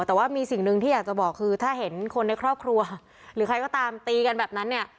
แต่ว่ามีสิ่งหนึ่งที่อยากจะบอกคือถ้าเห็นคนในครอบครัวหรือใครก็ตามตีกันแบบนั้นเนี่ย